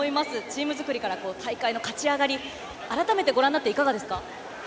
チーム作りから大会の勝ち上がり改めてご覧になっていかがですか。